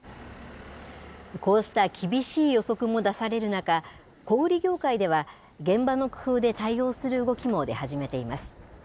こうした厳しい予測も出される中、小売り業界では現場の工夫で対応する動きも出始めています。